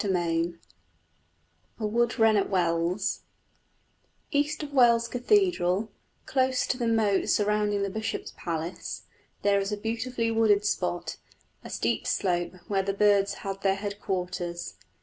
CHAPTER V A WOOD WREN AT WELLS East of Wells Cathedral, close to the moat surrounding the bishop's palace, there is a beautifully wooded spot, a steep slope, where the birds had their headquarters.